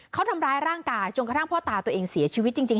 เขาทำร้ายร่างกายจนกระทั่งพ่อตาตัวเองเสียชีวิตจริง